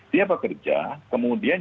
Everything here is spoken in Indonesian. dia bekerja kemudian